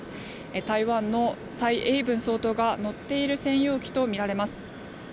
台湾の蔡英文総統が乗っている専用機とみられます。